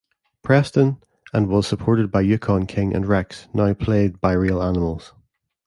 Preston, and was supported by Yukon King and Rex, now played by real animals.